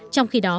trong khi đó